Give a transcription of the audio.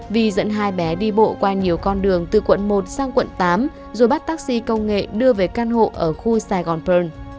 vy dẫn hai bé đi bộ qua nhiều con đường từ quận một sang quận tám rồi bắt taxi công nghệ đưa về căn hộ ở khu saigon pearl